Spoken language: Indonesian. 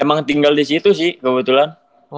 emang tinggal di situ sih kebetulan